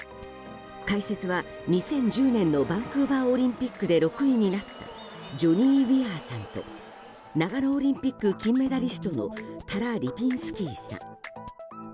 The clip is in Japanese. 解説は２０１０年のバンクーバーオリンピックで６位になったジョニー・ウィアーさんと長野オリンピック金メダリストのタラ・リピンスキーさん。